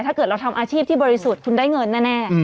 ถ้าเกิดเราทำอาชีพที่บริสุทธิ์คุณได้เงินแน่